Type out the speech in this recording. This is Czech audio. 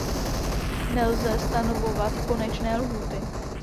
Nelze stanovovat konečné lhůty.